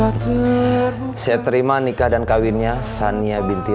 apa orangnya sichhyunah ini